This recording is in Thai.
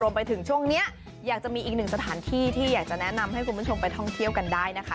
ไปถึงช่วงนี้อยากจะมีอีกหนึ่งสถานที่ที่อยากจะแนะนำให้คุณผู้ชมไปท่องเที่ยวกันได้นะคะ